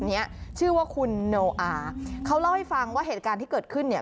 เนี้ยชื่อว่าคุณโนอาเขาเล่าให้ฟังว่าเหตุการณ์ที่เกิดขึ้นเนี่ย